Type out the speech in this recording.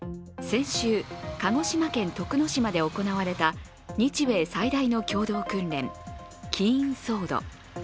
先週、鹿児島県・徳之島で行われた日米最大の共同訓練、キーン・ソード。